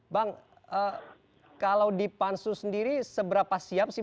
bang kalau di pansus sendiri seberapa siap sih